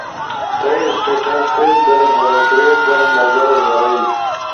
تھئی اسٹیٹس پیج در پروگریس در نظر غرئی۔